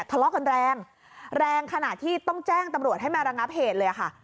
คลอกกันแรงแรงขนาดที่ต้องแจ้งตำรวจให้มารังับเหตุเลยอ่ะค่ะ